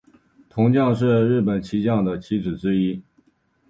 铜将是日本将棋的棋子之一。